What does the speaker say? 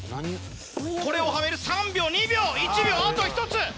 これをはめる３秒２秒１秒あと１つ！